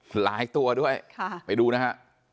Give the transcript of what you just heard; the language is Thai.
หลายตัวด้วยไปดูนะฮะ